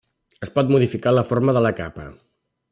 Es pot modificar la forma de la capa.